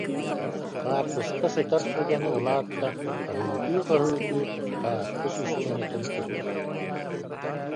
Хаарпыска сытар сүгэни ылаат да, хаһыытыы-хаһыытыы хаарпыс истиэнэтин кырбаабыт